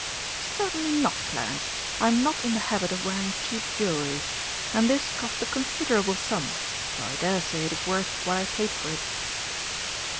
"Certainly not, Clarence; I am not in the habit of wearing cheap jewellery. And this cost a considerable sum, though I daresay it is worth what I paid for it."